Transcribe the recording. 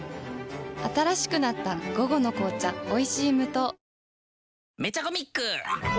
新しくなった「午後の紅茶おいしい無糖」